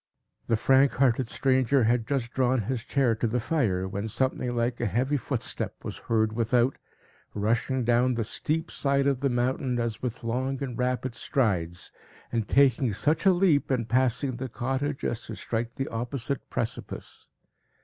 The frank hearted stranger had just drawn his chair to the fire, when something like a heavy footstep was heard without, rushing down the steep side of the mountain, as with long and rapid strides, and taking such a leap, in passing the cottage, as to strike the opposite precipice.